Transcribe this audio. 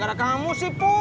gara gara kamu sih pur